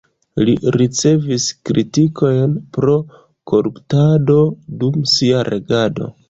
Li ricevis kritikojn pro koruptado dum sia regado.